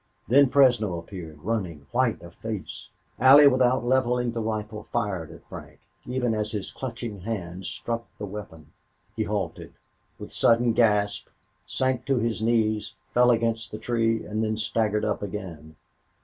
Then Fresno appeared, running, white of face. Allie, without leveling the rifle, fired at Frank, even as his clutching hands struck the weapon. He halted, with sudden gasp, sank to his knees, fell against the tree, and then staggered up again.